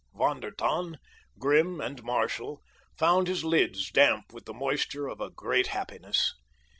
Von der Tann, grim and martial, found his lids damp with the moisture of a great happiness.